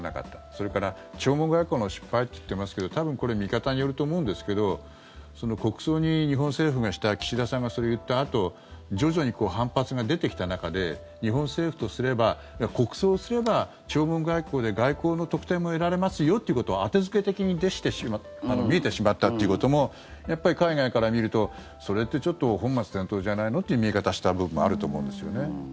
それから、弔問外交の失敗って言ってますけど多分、これ見方によると思うんですけど国葬に日本政府がした岸田さんがそれを言ったあと徐々に反発が出てきた中で日本政府とすれば国葬をすれば弔問外交で外交の特典も得られますよっていうことを後付け的に見えてしまったということもやっぱり海外から見るとそれって本末転倒じゃないのって見え方をした部分はあると思うんですよね。